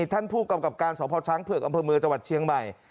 ท่านผู้กำกับการสพช้างเผือกอำเภอเมืองจังหวัดเชียงใหม่